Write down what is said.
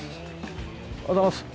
おはようございます。